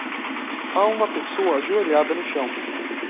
Há uma pessoa ajoelhada no chão.